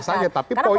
ya sah saja tapi poinnya